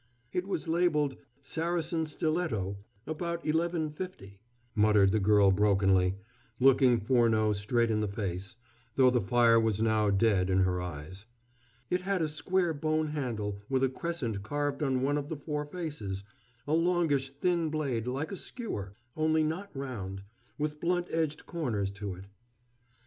"It was labeled 'Saracen Stiletto: about 1150,'" muttered the girl brokenly, looking Furneaux straight in the face, though the fire was now dead in her eyes. "It had a square bone handle, with a crescent carved on one of the four faces a longish, thin blade, like a skewer, only not round with blunt edged corners to it."